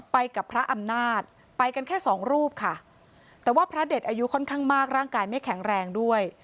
ไปกับพระอำนาจไปกันแค่สองรูปค่ะแต่ว่าพระเด็ดอายุค่อนข้างมากร่างกายไม่แข็งแรงด้วย